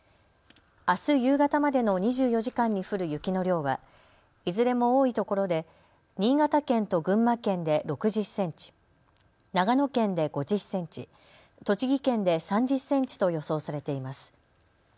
あす夕方までの２４時間に降る雪の量はいずれも多いところで新潟県と群馬県で６０センチ、長野県で５０センチ、栃木県で３０センチと予想されています。